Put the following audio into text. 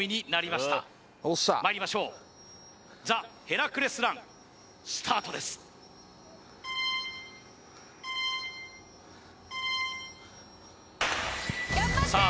まいりましょうザ・ヘラクレスランスタートですさあ